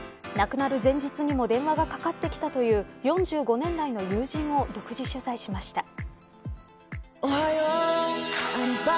亡くなる前日にも電話がかかってきたという４５年来の友人を独自取材しました。